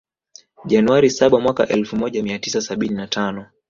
Januari saba Mwaka elfu moja mia tisa sabini na tano